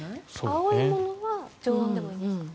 青いものは常温でもいいんですか。